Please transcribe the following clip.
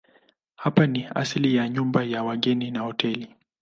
Hapa ni asili ya nyumba ya wageni na hoteli.